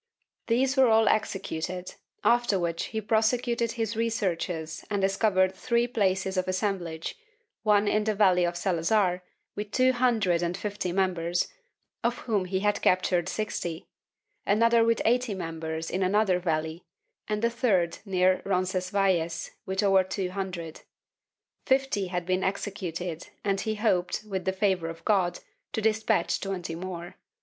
These were all executed, after which he prosecuted his researches and discovered three places of assemblage— one in the valley of Salazar, with two hundred and fifty members, of whom he had captured sixty, another with eighty members in another valley and a third near Roncesvalles with over two hundred. Fifty had been executed and he hoped, with the favor of God to despatch twenty more.